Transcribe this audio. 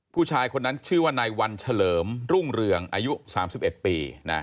ผู้ชายคนนั้นชื่อว่านายวันเฉลิมรุ่งเรืองอายุ๓๑ปี